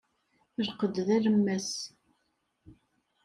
Lqed d alemmas.